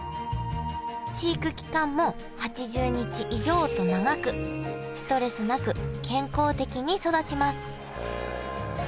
飼育期間も８０日以上と長くストレスなく健康的に育ちますへえ。